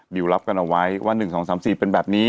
ดีูลับกันไว้ว่า๑๒๓๔เป็นแบบนี้